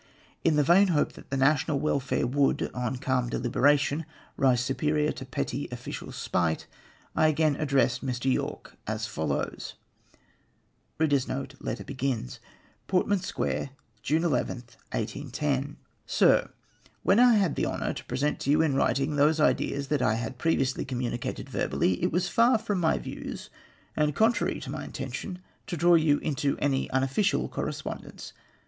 In the vain hope that the national welfare would, on calm dehberation, rise superior to petty official spite, I asain addressed Mr Yorke as follows :— "O" " Portman Square, June 14th, 1810. «giR, — When I bad the honour to present to yon inwTiting those ideas that I had previously communicated verbally, it was far from my views and contrary to my intention to draw you into any unofficial correspondence.